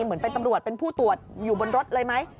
เหมือนเป็นตำรวจเป็นผู้ตรวจอยู่บนรถเลยไหม